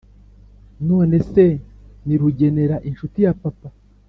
nonese ni rugenera inshuti yapapa?